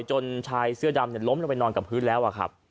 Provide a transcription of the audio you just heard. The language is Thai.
จนชายเสื้อดำล้มลงไปนอนกับพื้นแล้วครับ